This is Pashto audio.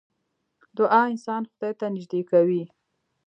دعا انسان خدای ته نژدې کوي .